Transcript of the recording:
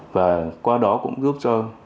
và qua đó cũng giúp cho